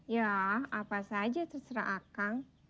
ya apa saja terserah akan